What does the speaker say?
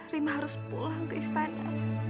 rima harus pulang ke istana